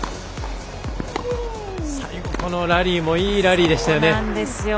最後のラリーもいいラリーでしたよね。